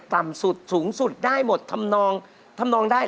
ต่ำสุดสูงสุดได้หมดทำนองได้